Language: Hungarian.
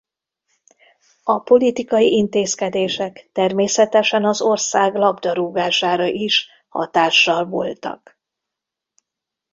A politikai intézkedések természetesen az ország labdarúgására is hatással voltak.